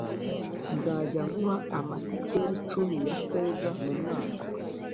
nzajya nguha amasikeli cumi ya feza mu mwaka